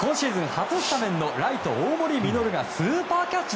初スタメンのライト大盛穂がスーパーキャッチ。